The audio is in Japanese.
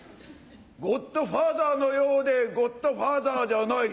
ゴッドファーザーのようでゴッドファーザーじゃない。